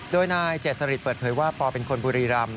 โดยนายเจษริตเปิดเผยว่าปอเป็นคนบุรีรำ